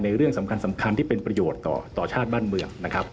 เรื่องสำคัญที่เป็นประโยชน์ต่อชาติบ้านเมืองนะครับ